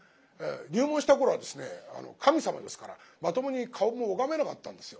入門した頃はですね神様ですからまともに顔も拝めなかったんですよ。